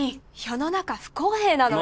世の中不公平なのよ